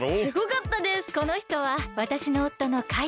このひとはわたしのおっとのカイ。